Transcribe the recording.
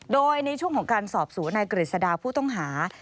โดยในช่วงของการสอบสวนนายกฤษดาผู้ต้องหา